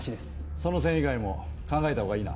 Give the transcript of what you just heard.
その線以外も考えたほうがいいな。